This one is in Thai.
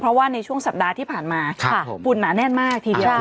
เพราะว่าในช่วงสัปดาห์ที่ผ่านมาฝุ่นหนาแน่นมากทีเดียว